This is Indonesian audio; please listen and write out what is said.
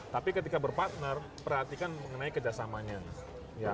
tapi ketika berpartner perhatikan mengenai kerjasamanya